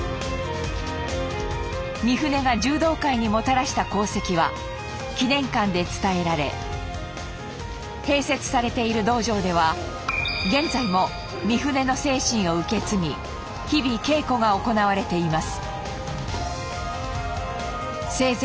三船が柔道界にもたらした功績は記念館で伝えられ併設されている道場では現在も三船の精神を受け継ぎ日々稽古が行われています。